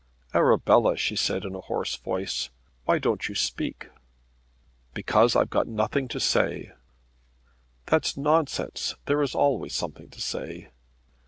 "Arabella," she said in a hoarse voice, "why don't you speak?" "Because I've got nothing to say." "That's nonsense. There is always something to say."